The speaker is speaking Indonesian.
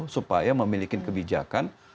supaya memiliki kebijakan